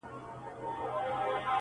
د زړه ملا مي راته وايي دغه~